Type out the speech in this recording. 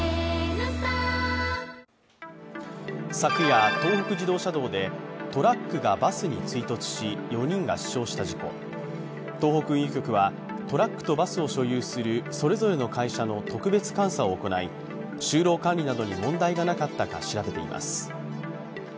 昨夜、東北自動車道でトラックがバスに追突し４人が死傷した事故、東北運輸局はトラックとバスを所有するそれぞれの会社の特別監査を行い、就労管理などに問題がなかったか調べています。